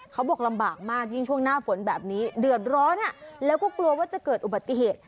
เขาบอกลำบากมากยิ่งช่วงหน้าฝนแบบนี้เดือดร้อนแล้วก็กลัวว่าจะเกิดอุบัติเหตุ